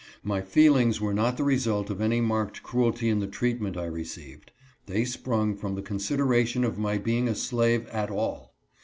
My feelings were not the result of any marked cruelty in the treatment I received ; they sprung from the consideration of my being a slave at all.